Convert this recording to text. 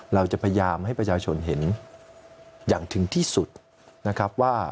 เราจะพยายามให้ประชาชนเห็นอย่างถึงที่สุดนะครับว่า